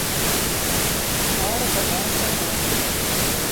Тар ғына сана.